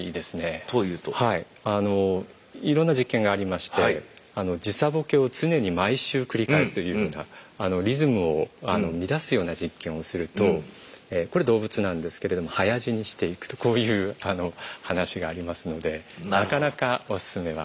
いろんな実験がありまして時差ぼけを常に毎週繰り返すというようなリズムを乱すような実験をするとこれ動物なんですけれども早死にしていくとこういう話がありますのでなかなかお勧めはできないですね。